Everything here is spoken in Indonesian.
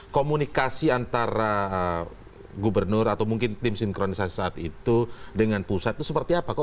komunikasi antara gubernur atau mungkin tim sinkronisasi saat itu dengan pusat itu seperti apa kok